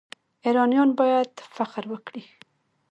ایرانیان باید فخر وکړي.